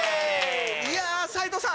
いや斎藤さん